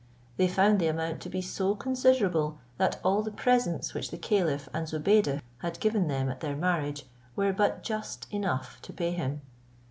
They found the amount to be so considerable, that all the presents which the caliph and Zobeide had given them at their marriage were but just enough to pay him.